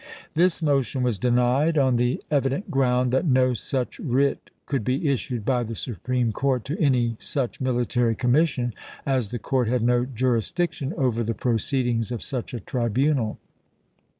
This motion was denied, on the evi chap. xii. dent ground that no such writ could be issued by the Supreme Court to any such military commis sion, as the court had no jurisdiction over the pro ceedings of such a tribunal.